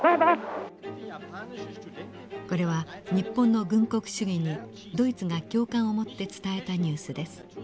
これは日本の軍国主義にドイツが共感を持って伝えたニュースです。